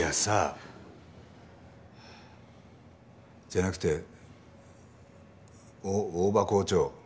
じゃなくてお大場校長。